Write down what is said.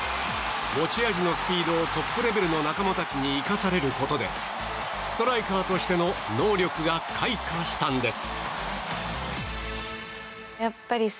持ち味のスピードをトップレベルの仲間たちに生かされることでストライカーとしての能力が開花したんです。